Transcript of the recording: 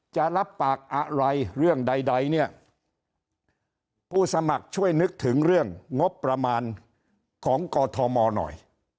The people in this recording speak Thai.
จะรับปากอะไรเรื่องใดเนี่ยผู้สมัครช่วยนึกถึงเรื่องงบประมาณของกอทมหน่อย